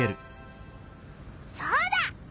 そうだ！